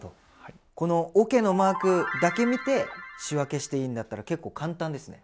このおけのマークだけ見て仕分けしていいんだったら結構簡単ですね。